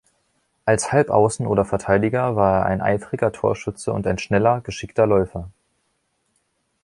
Als Halbaußen oder Verteidiger war er ein eifriger Torschütze und ein schneller, geschickter Läufer.